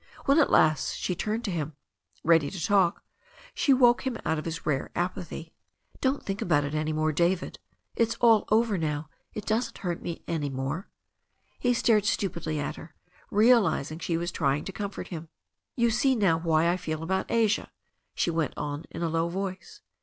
When, at last she turned to him, ready to talk, she woke him out of his rare apathy. "Don't think about it any more, David. It's all over now. It doesn't hurt me now." He stared stupidly at her, realizing she was trying to comfort him. "You see now why I feel about Asia," she went on in a low voice.